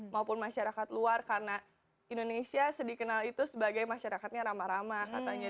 maupun masyarakat luar karena indonesia sedikenal itu sebagai masyarakatnya rama rama katanya